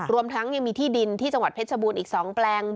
รวมทั้งยังมีที่ดินที่จังหวัดเพชรบูรณ์อีก๒แปลง